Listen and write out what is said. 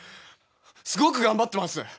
すごくがんばってます